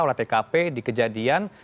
olah tkp di kejadian